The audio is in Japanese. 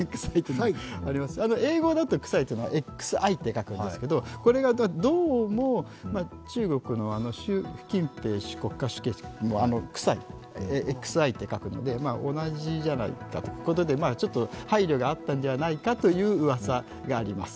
英語だとクサイというのはＸＩと書くんですけどこれがどうも中国の習近平国家主席もＸＩと書くので同じじゃないかということで、配慮があったのではないかといううわさがあります。